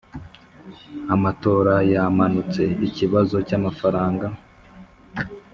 amatora yamanutse ikibazo cyamafaranga